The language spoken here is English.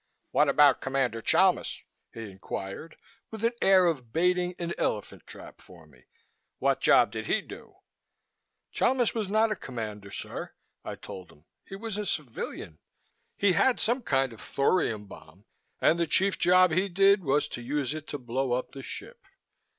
"What about Commander Chalmis?" he inquired, with an air of baiting an elephant trap for me. "What job did he do?" "Chalmis was not a commander, sir!" I told him. "He was a civilian. He had some kind of a thorium bomb and the chief job he did was to use it to blow up the ship.